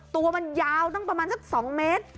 ตัวมันยาวตั้งประมาณสัก๒เมตร